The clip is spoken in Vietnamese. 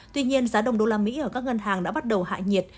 tuy nhiên giá đồng đô la mỹ ở các ngân hàng đã bắt đầu hạ nhiệt